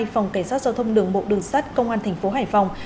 phòng cảnh sát giao thông đường bộ đường sát công an tp hải phòng